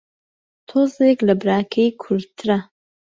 تۆزێک لە براکەی کورتترە